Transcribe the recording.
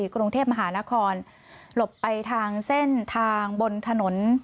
กรุงเทพมหานครหลบไปทางเส้นทางบนถนน